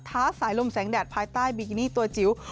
สายลมแสงแดดภายใต้บิกินี่ตัวจิ๋ว